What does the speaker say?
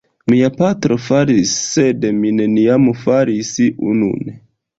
Mia patro faris, sed mi neniam faris unun.